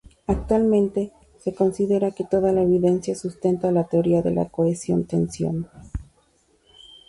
Actualmente, se considera que toda la evidencia sustenta la teoría de la cohesión-tensión.